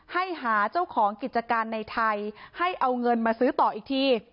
ให้หาเจ้าของกิจการในไทยให้เอาเงินมาซื้อต่ออีกที